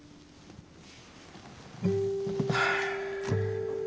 はあ。